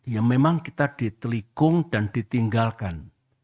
ya memang kita ditelikung dan ditinggalkan